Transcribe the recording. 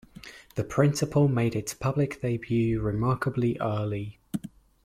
The principle made its public debut remarkably early.